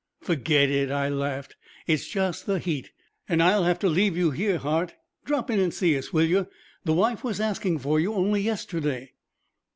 "Forget it," I laughed. "It's just the heat. And I'll have to leave you here, Hart. Drop in and see us, will you? The wife was asking for you only yesterday."